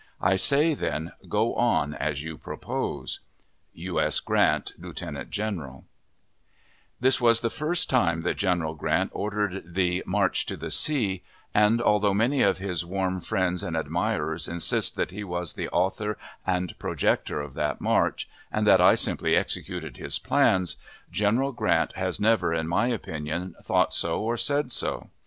I say, then, go on as you propose. U. S. GRANT, Lieutenant General, This was the first time that General Grant ordered the "march to the sea," and, although many of his warm friends and admirers insist that he was the author and projector of that march, and that I simply executed his plans, General Grant has never, in my opinion, thought so or said so.